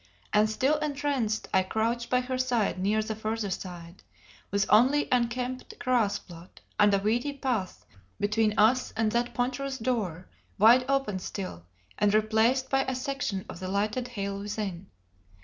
And still entranced I crouched by her side near the further side, with only unkempt grass plot and a weedy path between us and that ponderous door, wide open still, and replaced by a section of the lighted hail within.